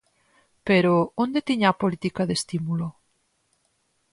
Pero ¿onde tiña a política de estímulo?